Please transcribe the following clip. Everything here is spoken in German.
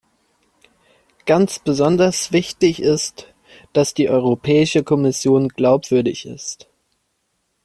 Ganz besonders wichtig ist, dass die Europäische Kommission glaubwürdig ist.